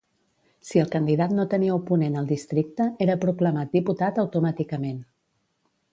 Si el candidat no tenia oponent al districte, era proclamat diputat automàticament.